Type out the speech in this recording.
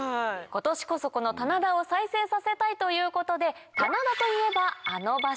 今年こそこの棚田を再生させたいということで棚田といえばあの場所。